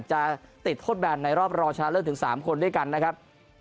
จะติดโทษแบนในรอบรองชนะเลิศถึง๓คนด้วยกันนะครับ